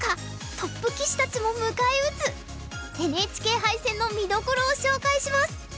トップ棋士たちも迎え撃つＮＨＫ杯戦の見どころを紹介します。